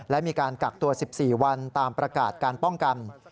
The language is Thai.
และมีการกักตัว๑๔วันตามประกาศการป้องกัน